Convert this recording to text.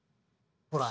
ほら。